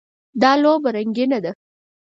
دا لوبه رنګینه ده.